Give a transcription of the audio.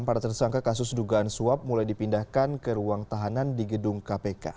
para tersangka kasus dugaan suap mulai dipindahkan ke ruang tahanan di gedung kpk